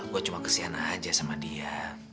gue cuma kesiana aja sama dia